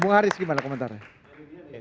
bung haris gimana komentarnya